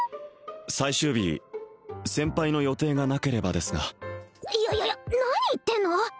最終日先輩の予定がなければですがいやいやいや何言ってんの？